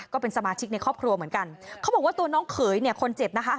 ก็เป็นสมาชิกในครอบครัวเหมือนกันเขาบอกว่าตัวน้องเขยเนี่ยคนเจ็บนะคะ